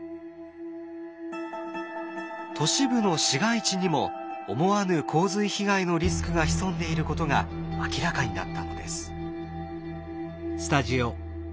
都市部の市街地にも思わぬ洪水被害のリスクが潜んでいることが明らかになったのです。